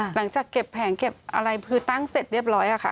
หลังจากเก็บแผงเก็บอะไรคือตั้งเสร็จเรียบร้อยค่ะ